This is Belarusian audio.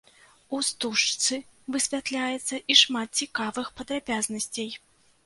У стужцы высвятляецца і шмат цікавых падрабязнасцей.